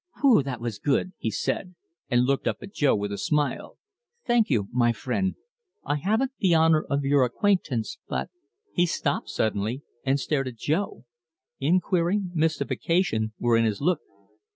"Whew! That was good!" he said, and looked up at Jo with a smile. "Thank you, my friend; I haven't the honour of your acquaintance, but " He stopped suddenly and stared at Jo. Inquiry, mystification, were in his look.